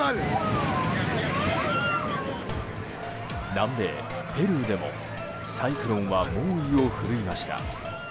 南米ペルーでも、サイクロンは猛威を振るいました。